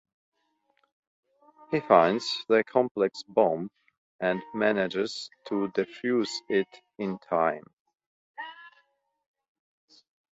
He finds the complex bomb and manages to defuse it in time.